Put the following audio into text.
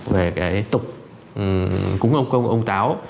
về cái tục cúng ông công công công táo